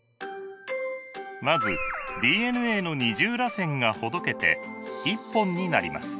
まずＤＮＡの二重らせんがほどけて１本になります。